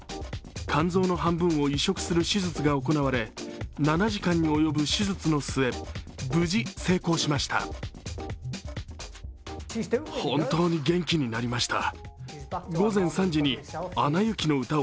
肝臓の半分を移殖する手術が行われ７時間に及ぶ手術の末、無事成功しました。